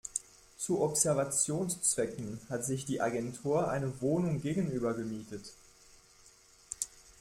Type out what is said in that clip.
Zu Observationszwecken hat sich die Agentur eine Wohnung gegenüber gemietet.